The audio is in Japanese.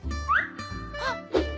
あっ！